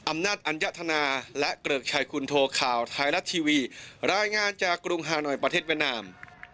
อำนาจอัญญธนาและเกริกชัยคุณโทข่าวไทยรัฐทีวีรายงานจากกรุงฮานอยประเทศเวียดนาม